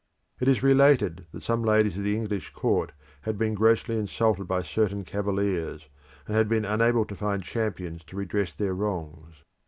It is related that some ladies of the English court had been grossly insulted by certain cavaliers, and had been unable to find champions to redress their wrongs.